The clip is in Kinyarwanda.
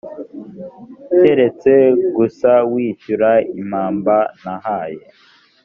keretse gusa wishyura impamba nahaye